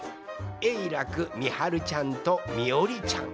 えいらくみはるちゃんとみおりちゃん。